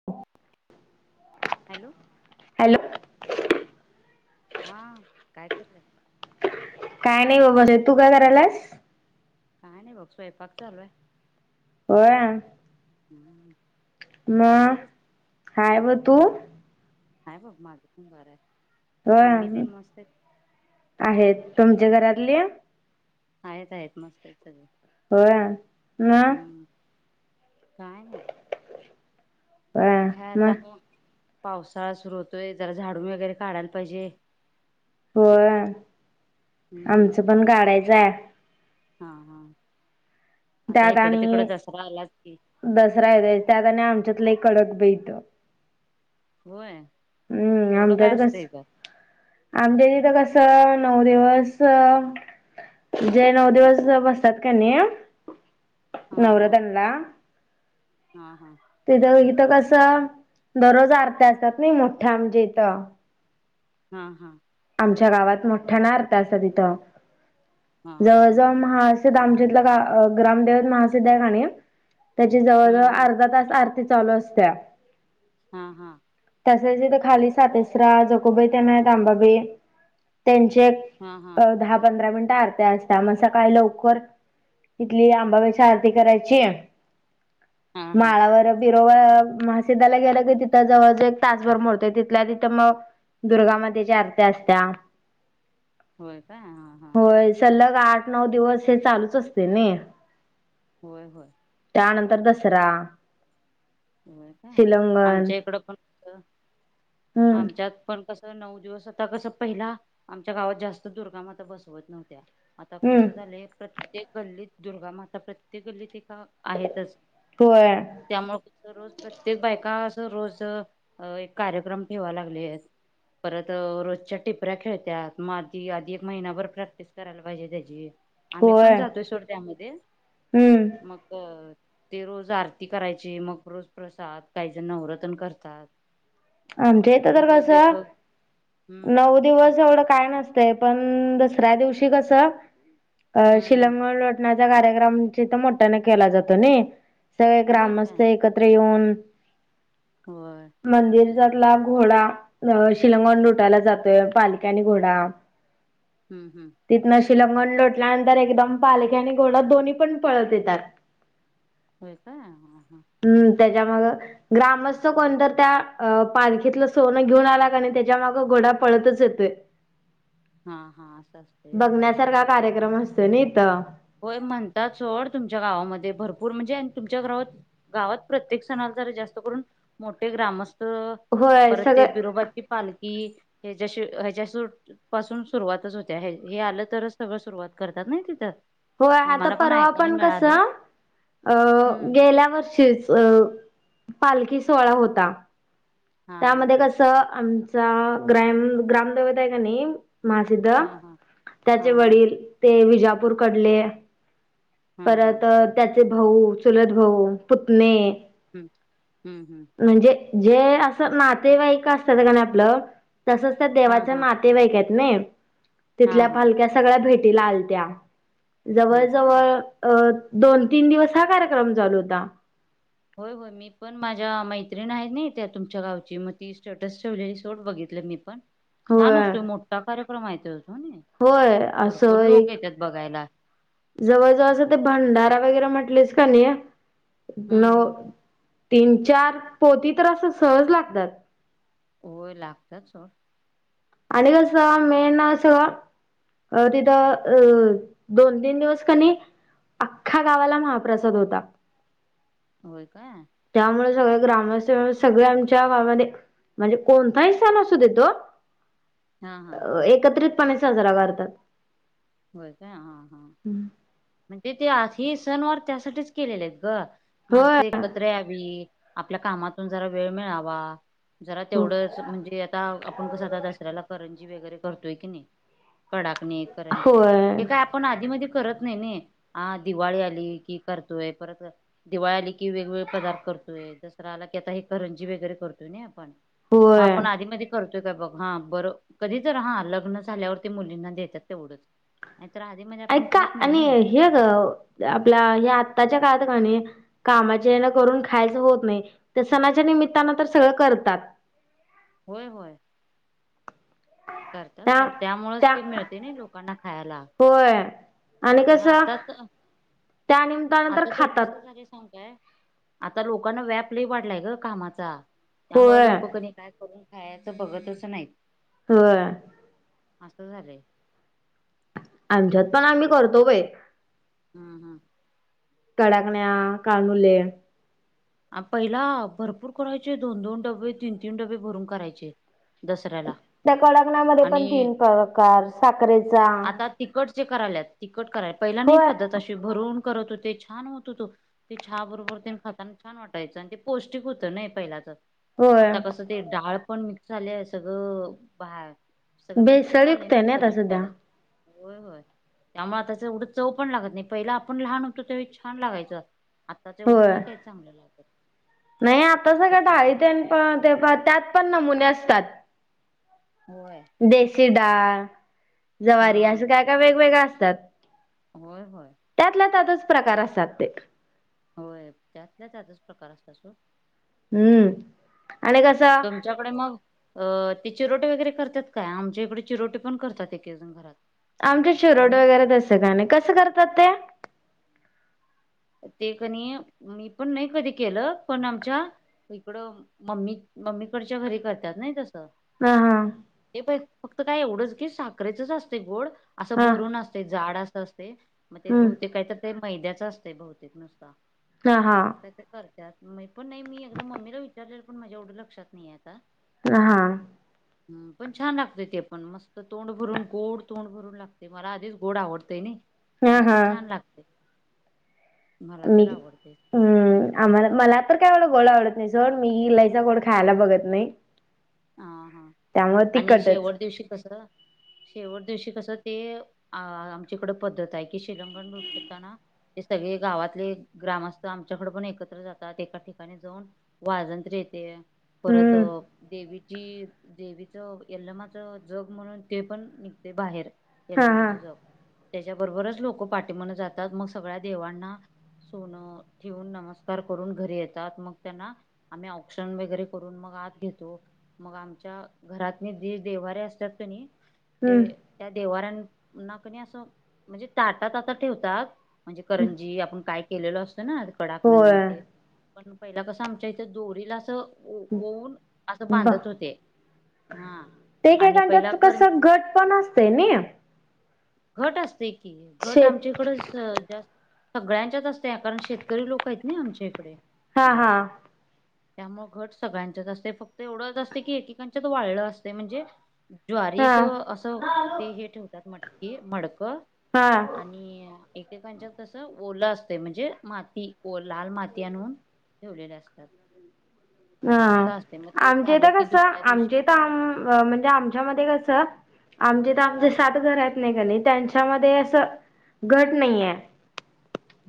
[inaudible] Hello? Hello? हां, काय करताय? काय नाही बाबा रें, तू काय करायलास? काय नाही बघ, स्वयंपाक चालूये.. होय. हम्म. म्या, बरे आहेस? हायव तू? हाय बघ माझ, मी बरा य. होय, आहेत, तुमच्या घरातले? आहेत- आहेत, मस्त यत सगळे. होय, नाय? हम्म काय नही. होय काय आता, म पावसाळा सुरू होतोय, जरा झाडून वगैरे काढायला पाहिजे.. होय, हम्म आमचं पण काडायचाय. हा हा. आता त्यात इकडे तिकडे आणि दसरा आलाच की दसरा येतय त्यात आणि आमच्यात लय कडक बाई. होय एवढं काय असतंय ग? आमच्याइथे कसं नऊ दिवस. जे नऊ दिवस बसतात कने हा हा नवरातनला हा हा. तिथं व इथं कसं दररोज आरत्या असतात नाय मोठ्या आमच्या इथं. हा हा. आमच्या गावात मोठ्या न आरत्या असतात इथ हा हा जवळ नऊ जवळ महा दिवस आमच्या इथल गा ग्रामदेव माहासिद्ध हाय कणे त्याची हम्म जवळजवळ हम्म अर्धा तास आरती चालू असत्या हा हा. तसेच तिथं खाली सातेसरा जकोबाई त्यानी हायत अंबाबाई. हा हा दहा पंधरा मिनिटं आरती अस त्यामुळे सकाळी लवकर उठली की अंबाबाई ची आरती करायची. हा हा माळावर. बिरो महासीदाला गेलं की तिथ जवळजवळ एक तासभर मोडतोय तिथल्या तिथं मग दुर्गा मातेची आरती असते होय का हा हा होय सलग आठ. नऊ दिवस हे चालूच असतय नाय. होय होय. त्यानंतर दसरा. होय काय शिलंगण आमच्या इकडं पण होत हम्म आमच्यात. पण कसं नऊ दिवस आता कसं पहिला आमच्या गावात जास्त दुर्गामाता बसवत नव्हत्या. आता हम्म कसं झालंय प्रत्येक गल्लीत दुर्गा माता प्रत्येक गल्लीत एक आहेच. होय. त्यामुळे रोज एक प्रत्येक बायका असं रोज एक अ कार्यक्रम ठेवा लागलेत. परत रोजच्या टिपऱ्या खेळत्यात मग आधी आधी एक महिनाभर प्रॅक्टिस करायला पाहिजे त्याची. आम्ही पण होय जातोय सोड त्या्मध्ये हम्म मग. ते रोज आरती करायचे मग ररोज प्रसाद काही जण नवरत्न करतात. आमच्या येत तर मग रोज एक कसं हम्म नऊ. दिवस एवढं काय नसतय पण दसऱ्या दिवशी कसं अ हम्म हम्म शिलांग लोटण्याचा कार्यक्रम मोठ्याने केला जातो ना. सगळे होय काय ग्रामस्थ एकत्र येऊन. होय. मंदिर. ला घोडा शिलंगन लुटायला जातोय पालकी आणि घोडा. हम्म हम्. तिथन शिलंगन लोटल्यानंतर एकदम पालखी आणि घोडा दोन्ही पण पळत येतात. य [unintelligible] होय का हाहा. हम्म त्याच्यामुळे मग ग्रामस्थ कोणत त्या? अ पालखीतलं सोनं घेऊन आला आणि त्याच्यामागं घोडा पळतच येतोय. हा हा असं असते बघण्यासारखा कार्यक्रम असतो ना इथं. होय म्हणतात सोड तुमच्या गावामध्ये भरपूर म्हणजे तुमच्या गावात. गावात प्रत्येक सणाला ज जास्त करून मोठे ग्रामस्थ. होय परत ते सगळं बिरोबाची पालखी ह्याच्याशी ह्याच्या पासून सुरुवातच होत्या. हे आलं तरच सगळं सुरुवात करतात नाही तिथ. होय. आता परवा पण कसा अ हम्म गेल्या वर्षीच अ पालखी सोहळा होता. हा हा त्यामध्ये कसं आमचा ग्राम-ग्रामदवता आहे का नाही, महासिद्ध. हा हा हा त्याचे हा वडील ते विजापूर कडले. हा हा परत त्याचे भाऊ, चलत भाऊ, पुतने हमं हम् हमं. म्हणजे जे असं नातेवाईक असतात आपलं तसच त्या हा देवाच्या हा नाते नातेवाईक आहेत नाही. हा तिथल्या हा पालक्या सगळ्या भेटीला आलत्या. जवळ होय काय जवळ अ दोन तीन दिवस हा कार्यक्रम चालू होता. होय होय मी पण माझ्या मैत्रिण आहेत ना, त्या तुमच्या गावची मग ती स्टेटस ठेवलेली सोट बघितल मी. पण छान होय असतोय मोठा कार्यक्रम आहे त्यो. हो नाई. होय भरपूर लोक येत्यात बघायला. जवळजवळ असं ते भंडारा वगैरे म्हणटलीस का नाही, हम्म नऊ हम्म तीन चार पोती तर असं सहज लागतात. होय लागतात सोड. आणि कस मेन अस अ तिथं अ दोन तीन दिवस कनी अख्खा गावाला महाप्रसाद होता. होय काय. त्यामुळे सगळ ग्रामस्थ सगळ आमच्या गावामध्ये म्हणजे कोणताही सण असू दे तो, हा हा एकत्रितपणे साजरा करतात. होय काय. हा हा. म्हणजे ते हे सणवार त्यासाठीच केलेले आहेत ग. होय माणसं एकत्र यावी, आपल्या कामातून जरा वेळ मिळावा, जरा तेवढंच म्हणजे आता आपण कसं आता दसऱ्याला करंजी वगैरे करतोय कणी, कडाकणी करंजी. होय हे काय आपण आधी मधी करत नाही नाई. आ दिवाळी आली कि करतोय. परत दिवाळी आली कि वेगवेगळे पदार्थ करतोय. दसरा आला की आता हे करंजी वगैरे करतोय नाई आपण. मग होय आपण आधी मधी करतोय काय बघ. हा. बर कधी तर हा. लग्न झाल्यावरती मुलींना देतात तेवढंच. नाही तर आधी मधी आप ऐका आणि हे ग आपल्या या आत्ताच्या काळात कणी कामाच्या हेन करून खायचं होत नाही, तर सणाच्या निमित्तानं तर सगळं करतात. होय होय. करत्यात त्या सोड. त्यामुळेच त्या ते मिळते नाई ते लोकांना खायला. होय. आणि आता तर त्या निमित्तानं आता तर कस खातात झालय सांगु काय? आता लोकांना व्याप लई वाढलाय गं कामाचा. त्यामुळे होय लोक कणी काय करून खायचं बघतच नाही. होय. असं झालंय. आमच्यात पण आम्ही करतो बाई. हा हा. कडाकण्या, कानुले. पहिला भरपूर करायचे, दोन दोन डबे तीन तीन डबे भरून करायचे. दसऱ्याला. त्या कडकणामध्ये पण आणि तीन प्रकार साखरेचा आता तिकटचे करायल्यात. तिकट कराय पहिला नाही होय पद्धत अशी भरून करत होते छान होत होत ते चहा बरोबर ते खाताना छान वाटायचं आण ते पौष्टिक होत नाही पहिलाच होय आता कस ते डाळ पण मिक्स झालिये सगळं बाहेर सगळं मिक्स भेसळ झालंय युक्तय नाही नाई आता सगळं सध्या. त्यामुळं आताच एवढं चव पण लागत नाही पहिला आपण लहान होतो त्यावेळी छान लागायचं आत्ताच एवढं होय नाही काही चांगलं. नाही आता सगळं कुठली पण डाळीतेन पण ते प त्यात पण नमुने असतात. होय. देशी डाळ हा जवारी असं काय काय वेगवेगळ असतात. होय होय. त्यातला त्यातच प्रकार असतात ते. होय त्यातल्या त्यातच प्रकार असतात सोड. हम्म आणि कसं तुझ्याकडे मग अ ते चिरोटे वगैरे करत्यात काय आमच्या इकडे चिरोटे पण करत्यात एकेकजण घरात. आमच्यात चिरोटे आणि वगैरे तसं काय नाही कसं करतात ते? ते कणी मी पण नाही कधी केलं पण आमच्या इकडं मम्मी मम्मीकडच्या घरी करत्यात नाही तसं. हा हा. हे प फक्त काय एवढंच की साखरेचच असतय गोड असं हा भरून असतय जाड असं अस तय मग ते हम्म बहुतेक काय तर ते मैद्याच असतय बहुतेक नुसता. हा हा करत्यात मी पण नाही मी एकदा मम्मीला विचारलेल पण माझ्या एवढं लक्षात नाहीेये आता. अ हां. हम पण छान लागतय ते पण मस्त तोंड भरून गोड तोंड भरून लागतय मला आधीच गोड आवडतय नाही. हा त्यामुळे हा ते छान लागतय. मला मी तर आवडतय. हम्म आम्हाला मला तर काय एवढं गोड आवडत नाही सोड मी लईचा गोड खायला बघत नाही. हा हा त्यामुळे आणि तिखटच शेवट दिवशी कस शेवट दिवशी कसं ते अ आमच्याकड पद्धत आहे की शिलंगण लूटताना हे सगळे गावातले ग्रामस्थ आमच्याकड पण एकत्र जातात एका ठिकाणी जाऊन वाजंत्री येते परत हम्म देवी जी देवीचं यल्लमाचं जग म्हणून ते पण निघतय बाहेर. हा हा यलम्माच जग त्याच्याबरोबरच लोक पाठीमागन जातात मग सगळ्या देवांना सोनं ठेवून नमस्कार करून घरी येतात मग त्यांना आम्ही औक्षण वगैरे करून मग आत घेतो. मग आमच्या घरातनी जे देवारे असत्यात क नाई हम्म ते त्या देवाऱ्यांना कणी असं म्हणजे ताटात अस ठेवतात. म्हणजे हम्म. करंजी आपण काय केलेलो असतो ना कडाकनं म होय ते पण पहिला कसं आमच्या इथ दोरीला असं ओ ओऊन असं ब बांधत होते हा ते काय आणि पहिला त्यात कर कसं घट पण असते ना घट असतय की घट शेत आमच्याइकडच जास्त सगळ्यांच्याच असतय, कारण शेतकरी लोक आहेत नई आमच्याइकडे हा हा जास्त. त्यामुळे घट सगळ्यांच्याच असतय, फक्त एवढंच असतय की, एकेकांच्यात वाळ असतय, म्हणजे हा ज्वारीत असं ते हे ठेवतात, मटकी, मडकं. हा आणि एक एक एककांच्यात कसं, ओलं असतंय म्हणजे, माती, लाल माती आणून ठेवलेल असत्यात. हम्म! ते आमच्याइथ झालं की कसं, दुसऱ्या आमच्या दिवशी इथ, आम म्हणजे आमच्यामध्ये कसं आमचे तर आमचे सात घर आहेत नाही कणी, त्यांच्यामध्ये असं घट नाही हाय.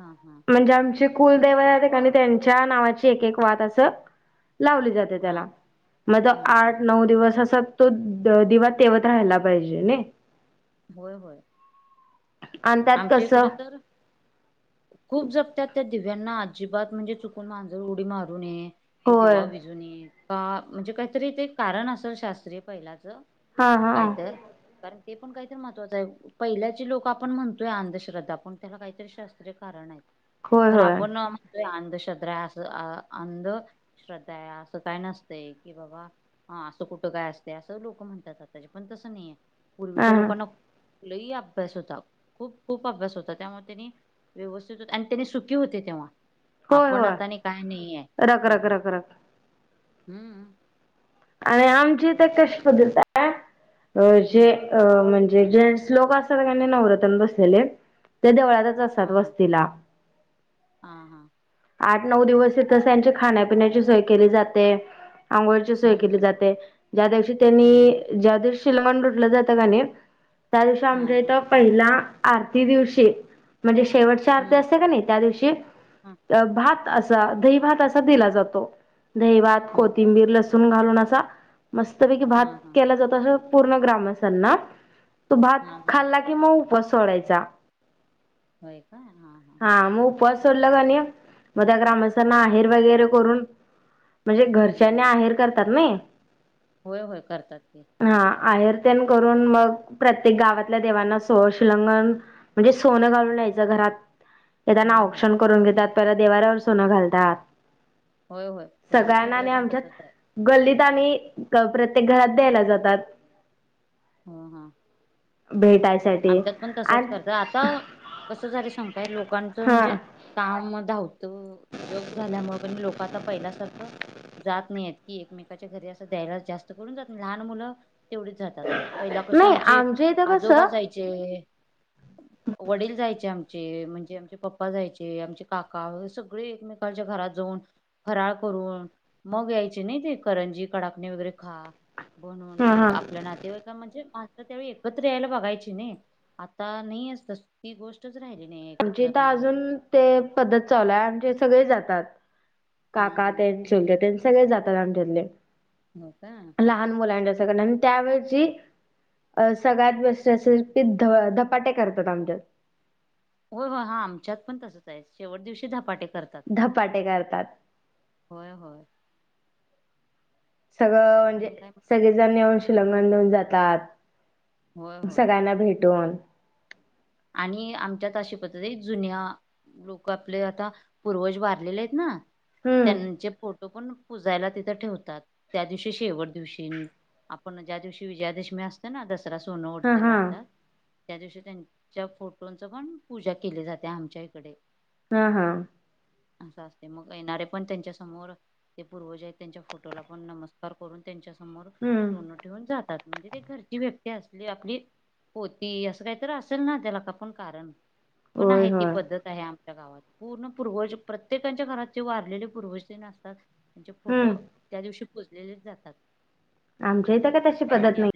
हा हा. म्हणजे आमचे कुलदैवते [unintelligible] त्यांच्या नावाची एक एक वात असं लावली जाते. हा त्याला, म हा हा आठ नऊ दिवस असं तो दिवा तेवत राहायला पाहिजे नइ. होय होय. आणि त्यात कसं आमच्याइकडं तर खूप जगत्याात त्या दिव्यांना, अजिबात म्हणजे चुकून मांजर उडी मारून नये, तो होय दिवा विजू नये, म्हणजे काहीतरी ते कारण असेल शास्त्रीय पहिलाच. हा हा कायतर, कारण ते पण काहीतर महत्त्वाचं आहे, पहिल्याचे लोक आपण म्हणतो अंधश्रद्धा, पण त्याला काहीतरी शास्त्रीय कारण आहेत, होय खर होय आपण अंधश्रद्धा असं, अंधश्रद्धा आहे असं काय नसतय, कि बाबा हा, असं कुठं काय असतय, असं लोक म्हणतात आत्ताची, पण तसं नाहीये. हा पूर्वीच्या हा लोकांना, लई अभ्यास होता. खूप खूप अभ्यास होता, त्यामुळे त्यांनी व्यवस्थित होती आणि त्यानी सुखी होते तेव्हा. होय आपण होय आता नाही काय नई हाय रख रख एवढ, रख रख हम्म! आणि आमचे ते [unintelligible] जे हम्म अ म्हणजे जे श्लोक असातात की नई नवरातन बसलेले, ते देवळात असतात हा हा वस्तीला हा हा. आठ, नऊ, दिवस इथच त्यांची खाण्या-पिण्याची सोय केली जाते, अ सोय हम्म केली हम्म जाते, ज्या दिवशी त्यांनी, हम्म ज्या दिवशी [unintelligible] लुटलं जात की नई त्या दिवशी हा आमच्या इथ हा पहिला, आरती दिवशी, म्हणजे शेवट [unintelligible] हम्म असत्या की नई त्या दिवशी हा. भात असा, दही भात असा दिला जातो, दही, भात, होय का कोथिंबीर, ल घालून असा, मस्तपैकी हा भात हा केला जातो, पूर्ण ग्रामसाना तो भात हा हा खाल्ला कि, मग उपास सोडायचा. होय का हा हा, मग उपवास सोडला क नई मग त्या ग्रामस्थांना आहेर वगैरे करून म्हणजे हम्म घरच्यांनी हम्म आहेर करतात नई होय होय, करतात ते. हा, आहेर तेन करून मग, प्रत्येक गावातल्या देवांना [unintelligible] शीलंगन म्हणजे सोनं घालून न्यायच घरात. येताना होय होय औक्षण करून घेतात, परत देवाऱ्यावर सोनं घालतात. होय होय, पण आमच्या सगळ्यांना इकडे आणि पण तसंच आहे. आमच्यात गल्लीत आणि, प्रत्येक घरात द्यायला जातात. हा हा. भेटायच आमच्यात पण तसंच करत्यात. आता कसं झालंय सांगू काय लोकांचं हा म्हणजे, काम, धावतं जग झाल्यामुळे लोक आता पहिल्यासारखं जात नाही आहेत. की एकमेकाच्या घरी असं द्यायलाच जास्त करून जात नाही. लहान मुलं, तेवढेच जातात. पहिला कसं नाही आमचे आमच्या आजोबा जायचे. ह [inaudible] वडील जायचे आमचे, म्हणजे आमचे पप्पा जायचे. आमचे काका सगळे एकमेकांच्या घरात जाऊन. फराळ करून मग यायचे नाही ते करंजी, कडाकणी वगैरे खा. म्हणून, हा हा मग आपल्या नातेवाईका म्हणजे माणसं त्यावेळी एकत्र यायला बघायची. की नाही आता नाही. अस ती गोष्टच राहिली नाही आमच्या इथं एकत्रपणे अजून ते पद्धत चालू आहे. आज सगळे जातात. हा काका हा तेन चुलते तेन सगळे जातात. आमच्या इकडे हो का. लहान मुलांच्या सगळ आणि त्यावेळेची, अ सगळ्यात बेस्ट रेसिपी ध धपाटे करतात आमच्यात हो हो हा आमच्यात पण तसंच आहे. शेवट दिवशी धपाटे कर धपाटे करतात. होय होय. सगळं म्हणजे आणि काय सगळेजण येऊन शिल्लघन देऊन जातात. होय होय सगळ्यांना भेटून. आणि आमच्यात अशी पद्धत आहे. जुन्या लोक आपले आता पूर्वज वारलेले आहेत ना. हम्म त्यांचे फो टो पण पुजायला तिथं ठेवतात. त्या दिवशी शेवट दिवशी. आपण ज्या दिवशी विजयादशमी असते ना. दसरा सोनं हा उटत हा वाढतात त्या दिवशी त्यां त्या फोटोंच पण पूजा केली जाते. आमच्या इकडे हा हा. असं असते मग येणारे पण त्यांच्या समोर, ते पूर्वज आहेत. त्यांच्या फोटोला पण नमस्कार करून त्यांच्या समोर हम्म सोनं ठेवून जातात. म्हणजे ते घरची व्यक्ती असली आपली पोती असं काहीतर आहे. असल ना त्याला पण कारण पण होय आहे ती होय पद्धत आहे आमच्या गावात पूर्ण पूर्वज प्रत्येकाच्या घरात जे वारलेले पूर्वज तेन असतात. त्यांचे फोटो हम्म त्या दिवशी पुजलेले जातात. आमच्या इथं काय तशी पद्धत आणि नाही. आप